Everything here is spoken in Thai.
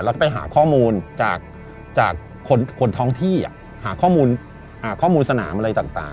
แล้วไปหาข้อมูลจากจากคนคนท้องที่อ่ะหาข้อมูลอ่าข้อมูลสนามอะไรต่างต่าง